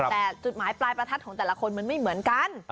แต่จุดหมายปลายประทัดของแต่ละคนมันไม่เหมือนกัน